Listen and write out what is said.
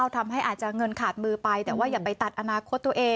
ทำให้อาจจะเงินขาดมือไปแต่ว่าอย่าไปตัดอนาคตตัวเอง